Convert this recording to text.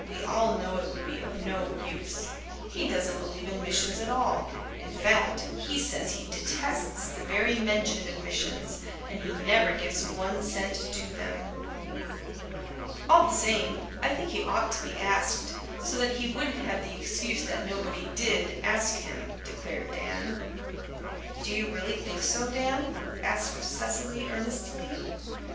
We all know it would be of no use. He doesn't believe in missions at all in fact, he says he detests the very mention of missions and he never gives one cent to them." "All the same, I think he ought to be asked, so that he wouldn't have the excuse that nobody DID ask him," declared Dan. "Do you really think so, Dan?" asked Cecily earnestly.